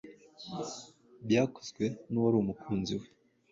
byakozwe n’uwari umukunzi we